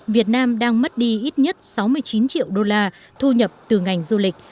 việt nam đang mất đi ít nhất sáu mươi chín triệu đô la thu nhập từ ngành du lịch